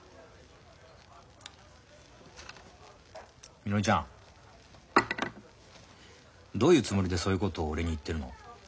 みのりちゃんどういうつもりでそういうことを俺に言ってるの？